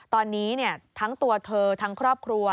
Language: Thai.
ตอนนี้ทั้งตัวเธอทั้งครอบครัว